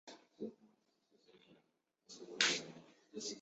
马格兹恩是一个位于美国阿肯色州洛根县的城市。